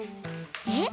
えっ？